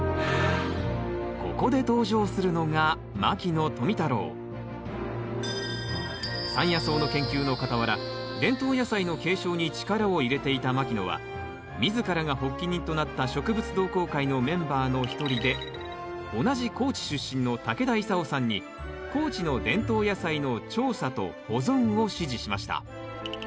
ここで登場するのが山野草の研究の傍ら伝統野菜の継承に力を入れていた牧野は自らが発起人となった植物同好会のメンバーの一人で同じ高知出身の竹田功さんに高知の伝統野菜の調査と保存を指示しました。